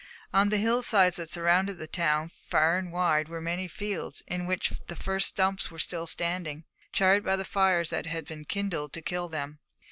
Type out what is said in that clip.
On the hillsides that surrounded the town far and wide were many fields, in which the first stumps were still standing, charred by the fires that had been kindled to kill them.